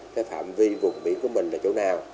cái phạm vi vùng biển của mình là chỗ nào